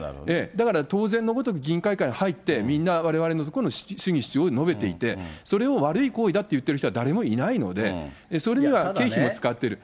だから、当然のごとく議員会館に入って、みんなわれわれの主義主張を述べていって、それを悪い行為だと言ってる人は誰もいないので、それには経費も使ってる。